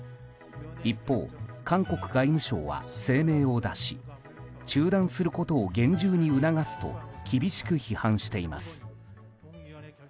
一方、韓国外務省は声明を出し中断することを厳重に促すと厳しく批判しています。